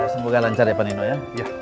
semoga lancar ya pak nino ya